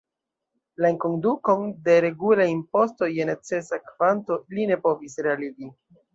La enkondukon de regulaj impostoj je necesa kvanto li ne povis realigi.